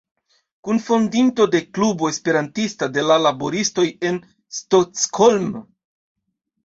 Kunfondinto de Klubo Esperantista de la laboristoj en Stockholm.